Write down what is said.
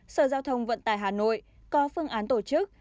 sở giao thông vận tải hà nội có phương án tổ chức